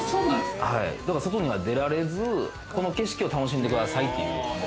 外には出られず、この景色を楽しんでくださいという。